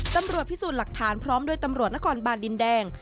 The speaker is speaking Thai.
ตำรวจพิสูจน์หลักฐานพร้อมด้วยตำรวจนครบานดินแดง